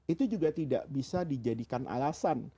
itu juga tidak bisa dijadikan alasan